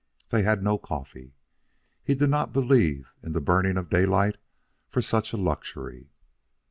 They had no coffee. He did not believe in the burning of daylight for such a luxury.